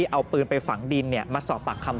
เอามือปาดน้ำตา